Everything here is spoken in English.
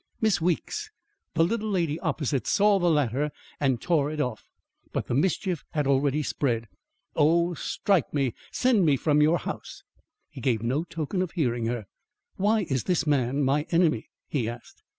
"Miss Weeks, the little lady opposite, saw the latter and tore it off. But the mischief had already spread. Oh, strike me! Send me from your house!" He gave no token of hearing her. "Why is this man my enemy?" he asked.